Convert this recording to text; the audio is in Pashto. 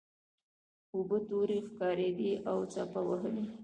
اوبه تورې ښکاریدې او څپه وهلې.